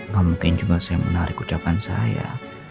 gak mungkin juga saya menarik ucapan saya